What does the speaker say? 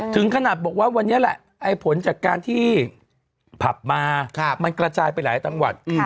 ถึงขนาดบอกว่าวันนี้แหละไอ้ผลจากการที่ผับมามันกระจายไปหลายจังหวัด